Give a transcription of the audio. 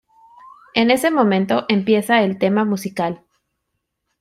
En ese momento empieza el tema musical.